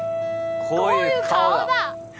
こういう顔だ